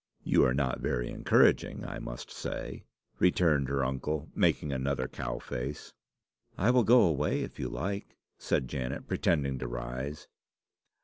"You are not very encouraging, I must say," returned her uncle, making another cow face. "I will go away, if you like," said Janet, pretending to rise.